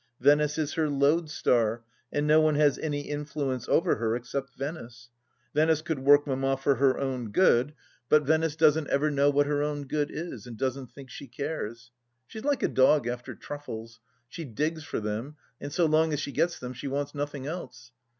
Venice is her lodestar, and no one has any influence over her except Venice, Venice could work Mamma for her own good, but 6 THE LAST DITCH Venice doesn't ever know what her own good is, and doesn't think she cares. She's like a dog after truffles ; she digs for them, and so long as she gets them she wants nothing else.